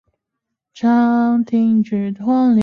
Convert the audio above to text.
军用和民用飞机都可以使用敌友识别系统。